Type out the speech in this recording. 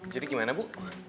jadi gimana bu